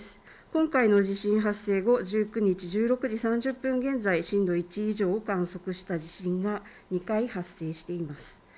今回の地震発生後、１９日１６時３０分現在、震度１以上を観測した地震が２回発生しています。